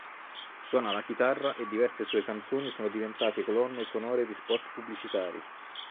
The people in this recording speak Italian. Suona la chitarra e diverse sue canzoni sono diventate colonne sonore di spot pubblicitari.